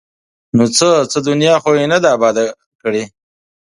ـ نو څه؟ څه دنیا خو یې نه ده اباده کړې!